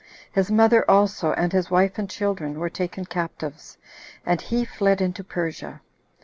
His mother also, and his wife and children, were taken captives, and he fled into Persia.